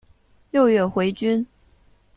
六月回军。